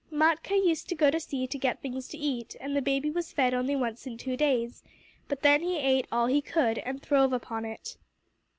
Matkah used to go to sea to get things to eat, and the baby was fed only once in two days, but then he ate all he could and throve upon it.